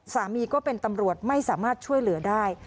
ก็เป็นตำรวจไม่สามารถช่วยเหลือได้